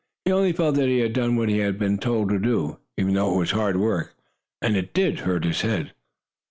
He only felt that he had done what he had been told to do, even though it was hard work, and did hurt his head.